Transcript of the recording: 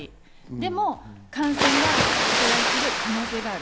でも感染が拡大する可能性がある。